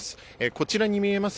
こちらに見えます